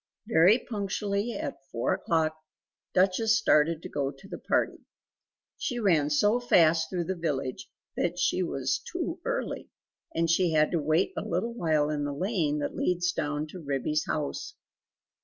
Very punctually at four o'clock, Duchess started to go to the party. She ran so fast through the village that she was too early, and she had to wait a little while in the lane that leads down to Ribby's house.